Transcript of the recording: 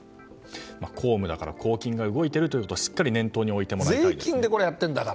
公務だから公金が動いていることをしっかり念頭に置いてもらいたいですね。